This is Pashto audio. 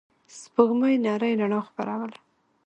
سپوږمۍ نرۍ رڼا خپروله.